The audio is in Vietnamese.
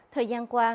thời gian qua